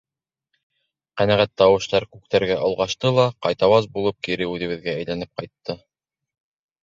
Ҡәнәғәт тауыштар күктәргә олғашты ла, ҡайтауаз булып, кире үҙебеҙгә әйләнеп ҡайтты.